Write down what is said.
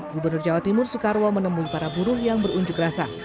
gubernur jawa timur soekarwo menemui para buruh yang berunjuk rasa